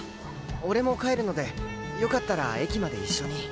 俺も帰るのでよかったら駅まで一緒に。